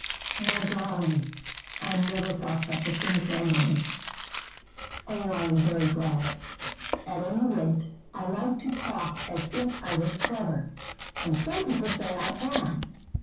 "My darling, I never thought such a thing for a moment." "Oh, I am very glad. At any rate I like to talk as if I was clever. And some people say I am.